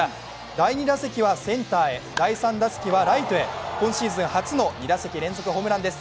第２打席はセンターへ第３打席はライトへ、今シーズン初の２打席連続ホームランです。